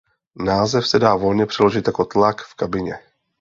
Název se dá volně přeložit jako "Tlak v kabině".